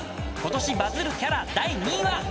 ［今年バズるキャラ第２位は？］